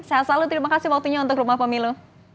sehat selalu terima kasih waktunya untuk rumah pemilu